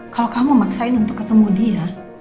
kalau kamu memaksain untuk ketemu dia